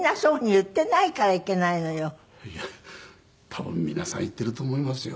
多分皆さん言っていると思いますよ